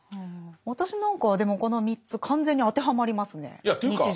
私なんかはでもこの３つ完全に当てはまりますね日常生活。